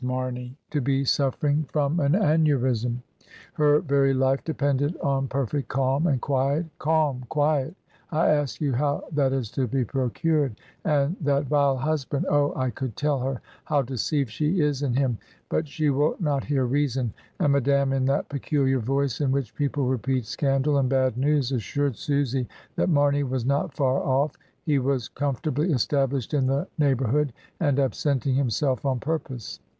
Marney to be suffering from an aneurism; her very life depended on per fect calm and quiet — Calm! quiet! I ask you how that is to be procured? And that vile husband! Oh! I could tell her how deceived she is in him, but she will not hear reason;" and Madame, in that peculiar voice in which people repeat scandal and bad news, assured Susy that Marney was not far off, he was comfortably established in the neighbour hood, and absenting himself on purpose.